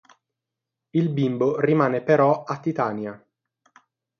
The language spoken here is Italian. Il bimbo rimane però a Titania.